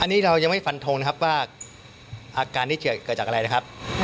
อันนี้เรายังไม่ฟันทงนะครับว่าอาการนี้เกิดจากอะไรนะครับ